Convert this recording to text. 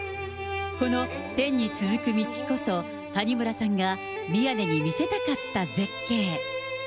この天に続く道こそ、谷村さんが宮根に見せたかった絶景。